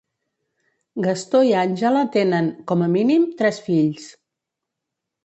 Gastó i Àngela tenen, com a mínim, tres fills.